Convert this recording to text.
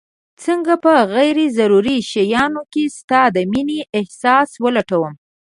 څنګه په غير ضروري شيانو کي ستا د مينې احساس ولټوم